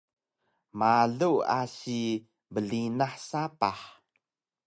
malu asi brinah sapah